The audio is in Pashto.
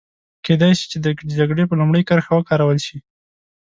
کېدای شي چې د جګړې په لومړۍ کرښه وکارول شي.